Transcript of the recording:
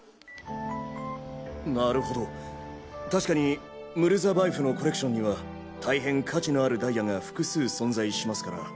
なるほど確かにムルザバエフのコレクションには大変価値のあるダイヤが複数存在しますから。